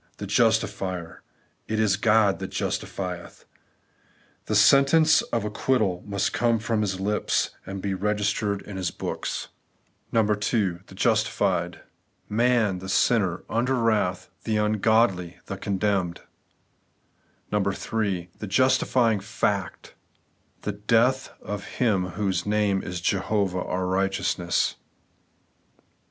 TheJustifier;— 'ItisGodthatjustifietk' The sentence of acquittal must come from His lips, and be registered in His books. BigJUeoumess for the Unrighteous, 79 • 2. The justified ;— Man, the sinner, under wrath, the ungodly, the condemned. 3. The justifying fact ;— ^The death of Him whose name is Jehovah our righteousness.